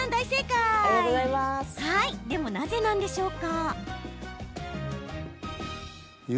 でも、なぜなんでしょうか？